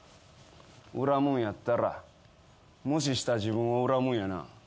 恨むんやったら無視した自分を恨むんやな。